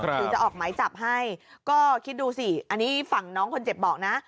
ถึงจะออกหมายจับให้ก็คิดดูสิอันนี้ฝั่งน้องคนเจ็บบอกนะ